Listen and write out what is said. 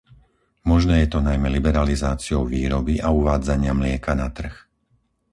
Možné je to najmä liberalizáciou výroby a uvádzania mlieka na trh.